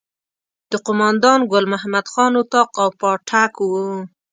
د قوماندان ګل محمد خان اطاق او پاټک وو.